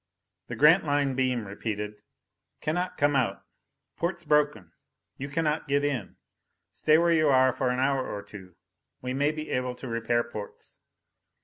The Grantline beam repeated: _Cannot come out. Ports broken. You cannot get in. Stay where you are for an hour or two. We may be able to repair ports.